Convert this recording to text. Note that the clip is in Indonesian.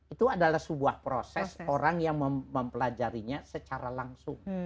itu adalah sebuah proses orang yang mempelajarinya secara langsung